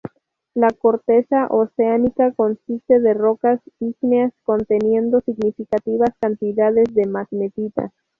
La corteza oceánica consiste de rocas ígneas, conteniendo significativas cantidades de magnetita.